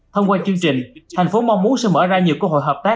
thông qua chương trình thành phố mong muốn sẽ mở ra nhiều cơ hội hợp tác